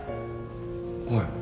はい